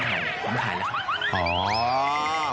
ถ่ายแล้วพร้อมถ่ายแล้ว